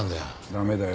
駄目だよ。